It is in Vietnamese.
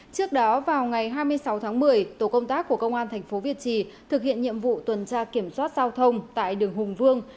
trước đó vào ngày hai mươi sáu tháng một mươi tổ công tác của công an tp hcm thực hiện nhiệm vụ tuần tra kiểm soát giao thông tại đường hùng vương